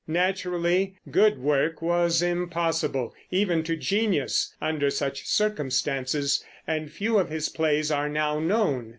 Naturally good work was impossible, even to genius, under such circumstances, and few of his plays are now known.